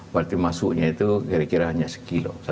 berarti masuknya itu kira kira hanya satu kilo